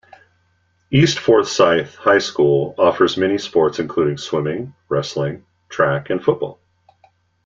East Forsyth High School offers many sports including Swimming, Wrestling, Track, and Football.